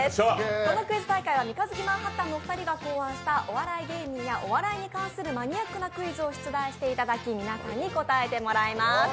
このクイズ大会は三日月マンハッタンのお二人が考案したお笑い芸人やお笑いに関するマニアックなクイズを出題していただき、皆さんに答えてもらいます。